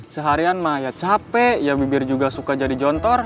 seharian mah ya capek ya bibir juga suka jadi jontor